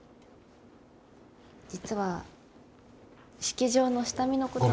実は式場の下見のこと。